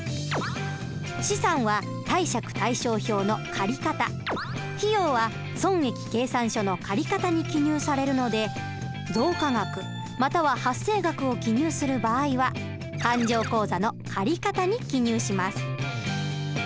資産は貸借対照表の借方費用は損益計算書の借方に記入されるので増加額または発生額を記入する場合は勘定口座の借方に記入します。